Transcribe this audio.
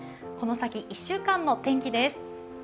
この先１週間の天気です。